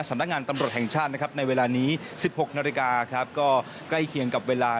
สำนักงานตำรวจแห่งชาติในเวลานี้๑๖นาทีก็ใกล้เคียงกับเวลา